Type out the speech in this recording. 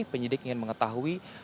penyidik ingin mengetahui